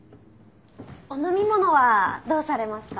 お飲み物はどうされますか？